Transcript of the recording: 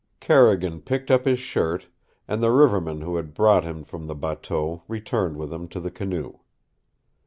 Carrigan picked up his shirt, and the riverman who had brought him from the bateau returned with him to the canoe.